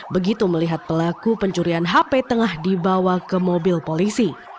begitu melihat pelaku pencurian hp tengah dibawa ke mobil polisi